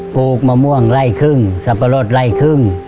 ลูกมะม่วงไล่ครึ่งสับปะรดไล่ครึ่ง